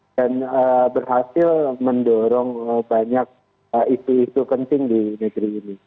dan berhasil mendorong banyak isu isu kencing di negeri ini